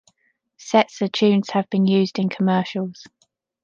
Setzer tunes have been used in commercials.